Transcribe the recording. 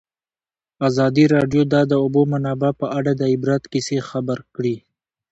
ازادي راډیو د د اوبو منابع په اړه د عبرت کیسې خبر کړي.